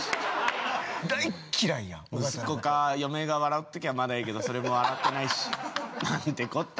息子か嫁が笑っときゃええけどそれも笑ってないしなんてこった